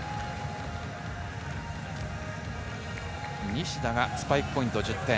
西田がスパイクポイント１０点。